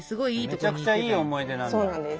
めちゃくちゃいい思い出なんだ。